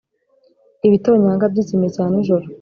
Ibitonyanga by ikime cya nijoro